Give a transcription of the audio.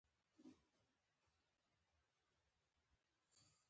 انګلیسیانو د آرامۍ ساه وایستله.